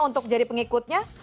untuk jadi pengikutnya